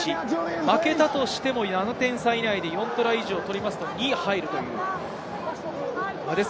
負けたとしても７点差以内で４トライ以上取ると、２位に入るということです。